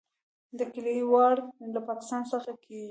د کیلې واردات له پاکستان څخه کیږي.